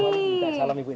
salam ibu ibu